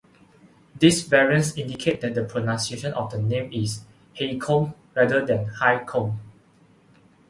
These variants indicate that the pronunciation of the name is "Hay-combe" rather than "High-combe".